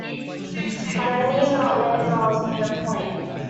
But I need not labour the point.